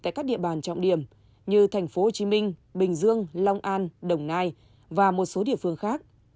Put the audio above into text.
tại các địa bàn trọng điểm như tp hcm bình dương long an đồng nai và một số địa phương khác